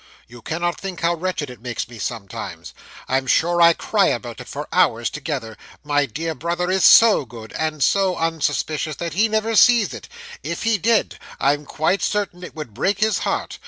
You cannot think how wretched it makes me sometimes I'm sure I cry about it for hours together my dear brother is so good, and so unsuspicious, that he never sees it; if he did, I'm quite certain it would break his heart.